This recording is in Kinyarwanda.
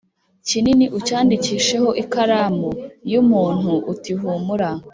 kinini ucyandikisheho ikaramu y umuntu uti humura